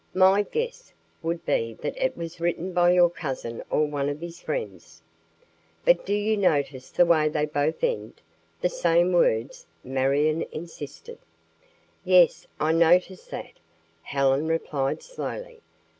My guess would be that it was written by your cousin or one of his friends." "But do you notice the way they both end? the same words," Marion insisted. "Yes, I noticed that," Helen replied slowly.